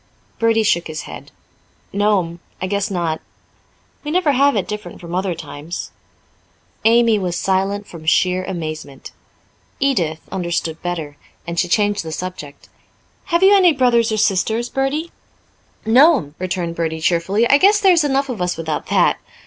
Bertie shook his head. "No'm, I guess not. We never have it different from other times." Amy was silent from sheer amazement. Edith understood better, and she changed the subject. "Have you any brothers or sisters, Bertie?" "No'm," returned Bertie cheerfully. "I guess there's enough of us without that.